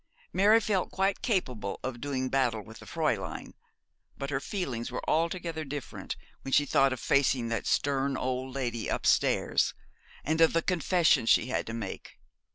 Mary felt quite capable of doing battle with the Fräulein; but her feelings were altogether different when she thought of facing that stern old lady upstairs, and of the confession she had to make.